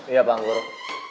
iya pak guru